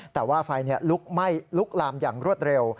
แต่ว่าไฟลุกไหม้ลุกลามอย่างรวดเร็ว